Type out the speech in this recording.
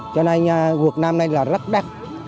cho nên quật năm nay là rất đắt